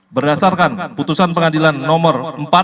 berdasarkan putusan pengadilan nomor empat